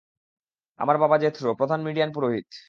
আমার বাবা জেথরো, প্রধান মিডিয়ান পুরোহিত।